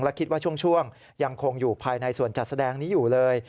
และคิดว่าช่วงยังคงอยู่ภายในส่วนจัดแสดงนี้อยู่เลย